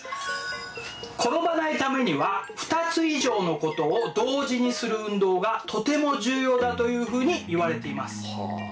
転ばないためには２つ以上のことを同時にする運動がとても重要だというふうにいわれています。